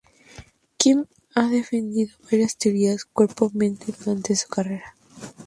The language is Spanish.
Kim ha defendido varias teorías cuerpo-mente durante su carrera.